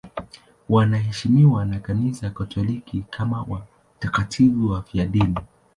Wanaheshimiwa na Kanisa Katoliki kama watakatifu wafiadini.